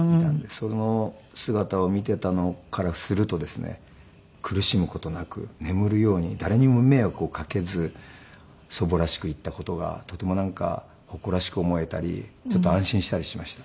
その姿を見ていたのからするとですね苦しむ事なく眠るように誰にも迷惑をかけず祖母らしく逝った事がとてもなんか誇らしく思えたりちょっと安心したりしました。